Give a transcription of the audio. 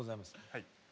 はい。